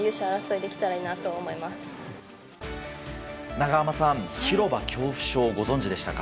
長濱さん、広場恐怖症ご存じでしたか？